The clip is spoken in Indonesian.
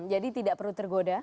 jadi tidak perlu tergoda